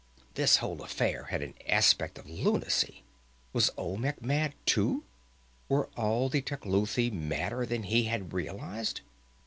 This whole affair had an aspect of lunacy. Was Olmec mad, too? Were all the Tecuhltli madder than he had realized?